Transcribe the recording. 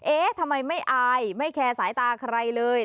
เอ๊ะทำไมไม่อายไม่แคร์สายตาใครเลย